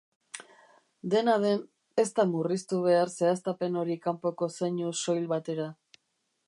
Dena den, ez da murriztu behar zehaztapen hori kanpoko zeinu soil batera.